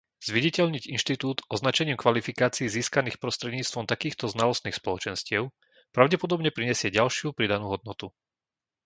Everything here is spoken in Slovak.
Zviditeľniť inštitút označením kvalifikácií získaných prostredníctvom takýchto znalostných spoločenstiev pravdepodobne prinesie ďalšiu pridanú hodnotu.